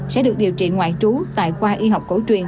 sẽ được điều trị ngoại trú tại khoa y học cổ truyền